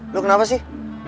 lu kenapa sih